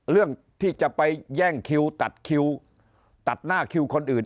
เรื่องที่จะไปแย่งคิวตัดคิวตัดหน้าคิวคนอื่น